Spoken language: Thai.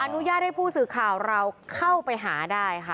อนุญาตให้ผู้สื่อข่าวเราเข้าไปหาได้ค่ะ